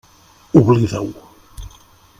Oblida-ho.